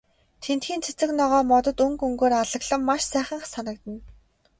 Тэндхийн цэцэг ногоо, модод өнгө өнгөөр алаглан маш сайхан санагдана.